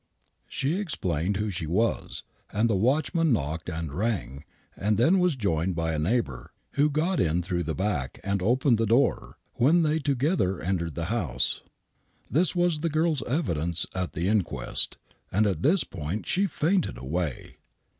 She explained who she was, and the watchman knocked and rang, and then was joined by a neighbor, who got in through the back and opened the door, when they together entered the house. This was the girl's evidence at the inquest, and at this point she fainted away.